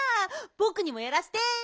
ぼくにもやらせて。